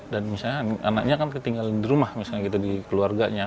dan misalnya anaknya kan ketinggalan di rumah misalnya gitu di keluarganya